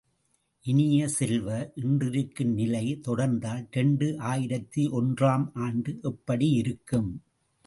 இனிய செல்வ, இன்றிருக்கும் நிலை தொடர்ந்தால் இரண்டு ஆயிரத்து ஒன்று ஆம் ஆண்டு எப்படி இருக்கும்?